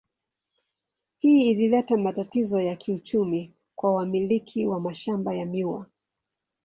Hii ilileta matatizo ya kiuchumi kwa wamiliki wa mashamba ya miwa.